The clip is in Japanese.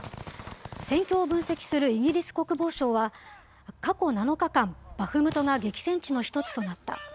戦況を分析するイギリス国防省は、過去７日間、バフムトが激戦地の１つとなった。